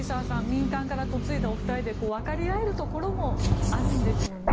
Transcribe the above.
民間から嫁いだお二人で分かり合えるところもあるんでしょうね。